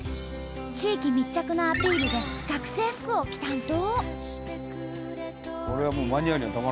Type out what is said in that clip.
地域密着のアピールで学生服を着たんと！